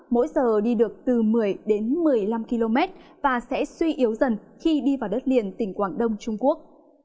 mỗi giờ đi được từ một mươi đến một mươi năm km và sẽ suy yếu dần khi đi vào đất liền tỉnh quảng đông trung quốc